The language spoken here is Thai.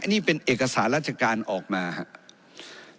นี่เป็นเอกสารราชการออกมาครับ